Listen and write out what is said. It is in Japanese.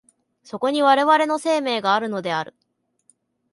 そこに我々の生命があるのである。